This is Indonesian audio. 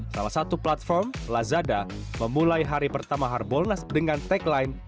salah satu platform lazada memulai hari pertama harbolnas dengan tagline